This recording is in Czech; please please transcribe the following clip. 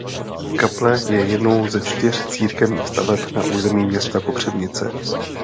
Kaple je jednou ze čtyř církevních staveb na území města Kopřivnice.